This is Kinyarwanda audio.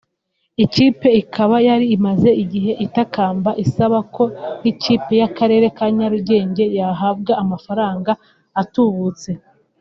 Ikipe ikaba yari imaze igihe itakamba isaba ko nk’ikipe y’Akarere ka Nyarugenge yahabwa amafaranga atubutse